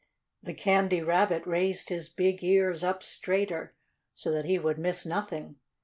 The Candy Rabbit raised his big ears up straighter, so that he would miss nothing.